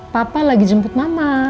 papa lagi jemput mama